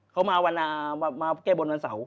เขามาแก้บนวันเสาร์